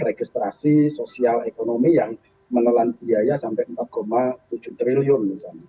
registrasi sosial ekonomi yang menelan biaya sampai empat tujuh triliun misalnya